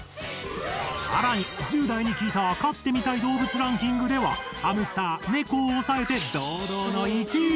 更に１０代に聞いた「飼ってみたい動物ランキング」では「ハムスター」「猫」を押さえて堂々の１位！